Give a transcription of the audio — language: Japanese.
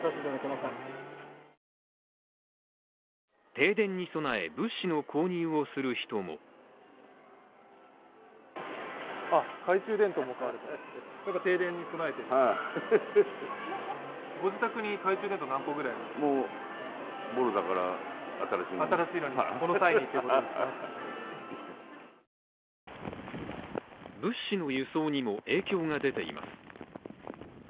停電に備え、物資の購入をする人も物資の輸送にも影響が出ています。